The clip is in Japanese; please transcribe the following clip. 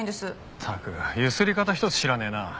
ったくゆすり方一つ知らねえな。